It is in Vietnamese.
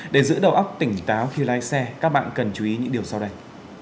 để giữ đầu óc tỉnh táo khi lái xe các bạn cần chú ý những điều sau đây